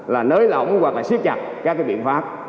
là nới lỏng hoặc là siết chặt các cái biện pháp